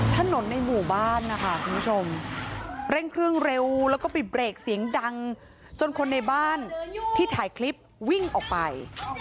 ถนนในหมู่บ้านนะคะคุณผู้ชมเร่งเครื่องเร็วแล้วก็ไปเบรกเสียงดังจนคนในบ้านที่ถ่ายคลิปวิ่งออกไป